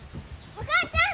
お母ちゃん！